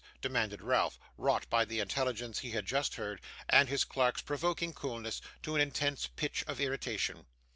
demanded Ralph, wrought by the intelligence he had just heard, and his clerk's provoking coolness, to an intense pitch of irritation.